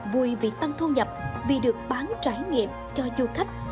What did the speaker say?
vui vì tăng thu nhập vì được bán trải nghiệm cho du khách